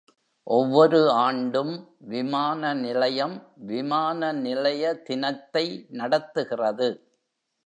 ஒவ்வொரு ஆண்டும், விமான நிலையம் விமான நிலைய தினத்தை நடத்துகிறது.